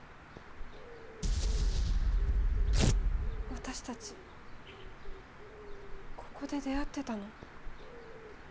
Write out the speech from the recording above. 私達ここで出会ってたの？